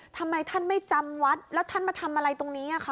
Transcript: ทำไมท่านไม่จำวัดแล้วท่านมาทำอะไรตรงนี้คะ